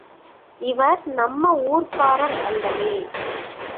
இவர் நம்ம ஊர்க்காரர் அல்லவே!